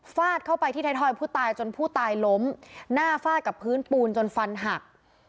เข้าไปที่ไทยทอยผู้ตายจนผู้ตายล้มหน้าฟาดกับพื้นปูนจนฟันหัก